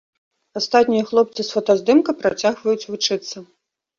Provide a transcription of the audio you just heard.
Астатнія хлопцы з фотаздымка працягваюць вучыцца.